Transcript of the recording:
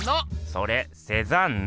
それセザンヌ！